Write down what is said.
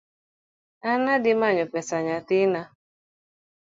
An adhi manyo pesa nyathina